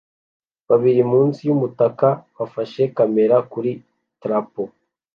babiri munsi yumutaka bafashe kamera kuri trapo